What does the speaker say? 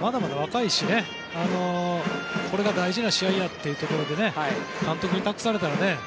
まだまだ若いし、これが大事な試合やっていうところで監督に託されたらね。